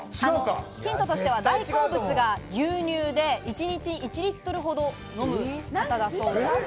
ヒントとしては大好物が牛乳で、一日１リットルほど飲む方だそうです。